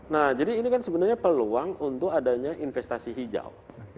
nah jadi ini kan sebenarnya peluang untuk adanya investasi hijau